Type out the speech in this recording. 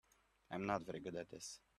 I'm not very good at this.